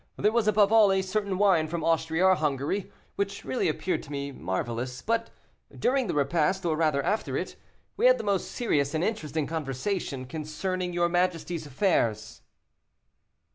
There was, above all, a certain wine from Austria or Hungary, which really appeared to me marvelous. But during the repast, or rather after it, we had the most serious and interesting conversation concerning your majesty's affairs."